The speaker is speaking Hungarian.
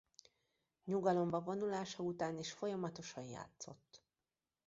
Nyugalomba vonulása után is folyamatosan játszott.